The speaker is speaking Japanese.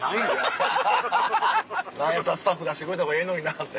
何やったらスタッフ出してくれた方がええのになって。